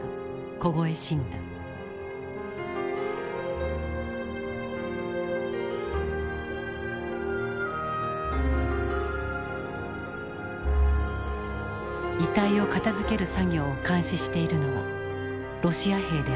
遺体を片づける作業を監視しているのはロシア兵である。